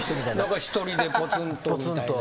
何か１人でポツンとみたいな。